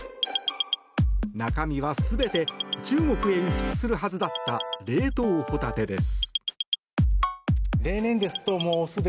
中身は全て中国へ輸出するはずだった冷凍ホタテです。